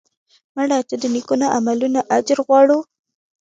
مړه ته د نیکو عملونو اجر غواړو